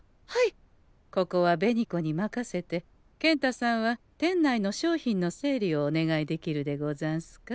ここは紅子に任せて健太さんは店内の商品の整理をお願いできるでござんすか。